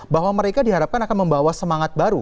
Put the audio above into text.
bahwa mereka diharapkan akan membawa semangat baru